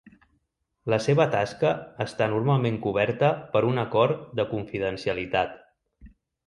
La seva tasca està normalment coberta per un acord de confidencialitat.